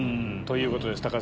ということです